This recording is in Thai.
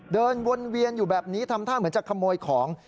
เดินวนเวียนอยู่แบบนี้ทำท่าเหมือนจะขโมยของ